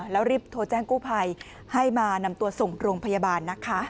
แล้วรีบโทรแจ้งกู้ภัยให้มานำตัวส่งโรงพยาบาลนะคะ